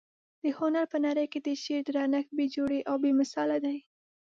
د هنر په نړۍ کي د شعر درنښت بې جوړې او بې مثاله دى.